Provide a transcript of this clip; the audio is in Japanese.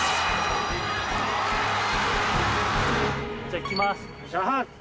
じゃあいきます